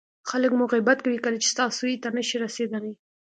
خلک مو غیبت کوي کله چې ستا سویې ته نه شي رسېدلی.